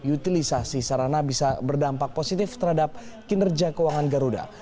utilisasi sarana bisa berdampak positif terhadap kinerja keuangan garuda